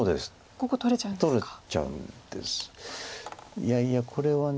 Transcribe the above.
いやいやこれは。